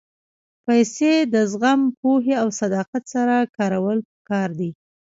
پېسې د زغم، پوهې او صداقت سره کارول پکار دي.